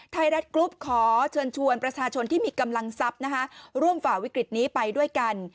ไทยรัฐกรุ๊ปขอเชิญชวนประชาชนที่มีกำลังทรัพย์นะคะร่วมฝ่าวิกฤตนี้ไปด้วยกัน